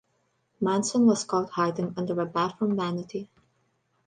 Manson was caught hiding under the bathroom vanity.